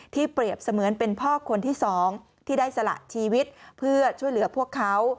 เปรียบเสมือนเป็นพ่อคนที่สองที่ได้สละชีวิตเพื่อช่วยเหลือพวกเขา